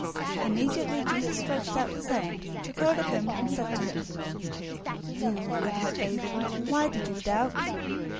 014:031 Immediately Jesus stretched out his hand, took hold of him, and said to him, "You of little faith, why did you doubt?"